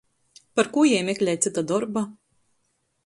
Parkū jei meklej cyta dorba?